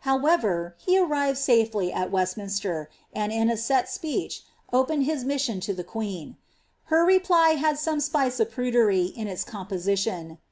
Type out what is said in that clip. However, he arnved ^ely at Westmiiialer, and, in a set speech, opened his mission lo the queen. Her reply had some spice of prudery in its composition.'